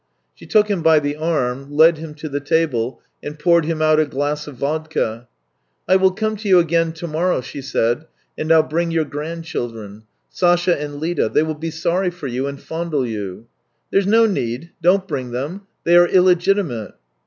She took him by the arm, led him to the table, and poured him out a glass of vodka. " I will come to you again to morrow," she said, " and I'll bring your grandchildren, Sasha and Li da. They will be sorry for you, and fondle you." " There's no need. Don't bring them. They are illegitimate."